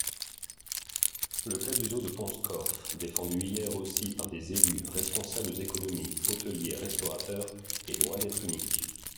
Le cas du zoo de Pont-Scorff, défendu hier aussi par des élus, responsables économiques, hôteliers, restaurateurs, est loin d'être unique.